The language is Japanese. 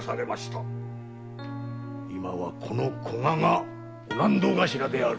今はこの古賀が御納戸頭である。